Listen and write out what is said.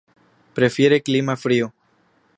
Prefiere clima frío.